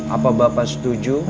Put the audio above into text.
apa bapak setuju